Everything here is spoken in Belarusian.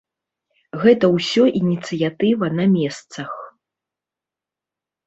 Гэта ўсё ініцыятыва на месцах.